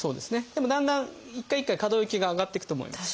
でもだんだん一回一回可動域が上がっていくと思います。